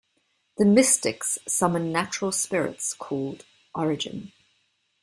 The Mystics summon natural spirits called "Origin".